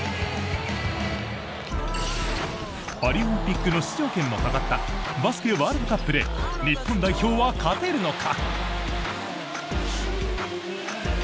パリオリンピックの出場権もかかったバスケワールドカップで日本代表は勝てるのか？